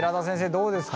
どうですか？